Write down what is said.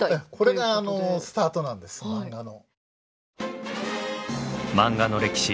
これがスタートなんですマンガの。